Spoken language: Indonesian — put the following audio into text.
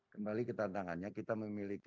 kembali ke tantangannya kita memiliki